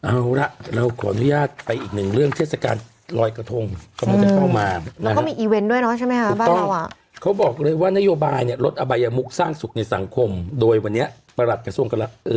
เอาล่ะเราขออนุญาตไปอีกหนึ่งเรื่องเทศกาลรอยกระทง